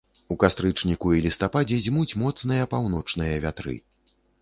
У кастрычніку і лістападзе дзьмуць моцныя паўночныя вятры.